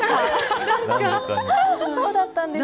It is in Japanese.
そうだったんですね。